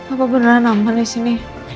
apa beneran aman di sini